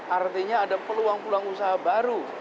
artinya ada peluang peluang usaha baru